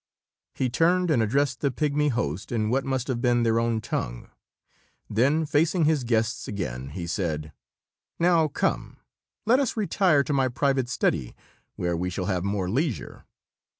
He turned and addressed the pigmy host in what must have been their own tongue. Then, facing his guests again, he said: "Now, come. Let us retire to my private study, where we shall have more leisure."